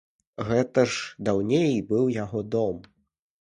Гэта ж даўней быў яго дом.